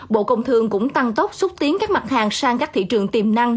bộ công thương cũng tăng tốc xúc tiến các mặt hàng sang các thị trường tiềm năng